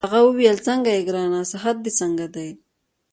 هغه وویل: څنګه يې ګرانه؟ صحت دي څنګه دی؟